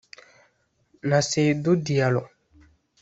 na Seydou Diallo